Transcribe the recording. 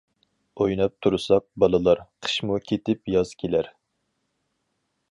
ئويناپ تۇرساق بالىلار، قىشمۇ كېتىپ ياز كېلەر.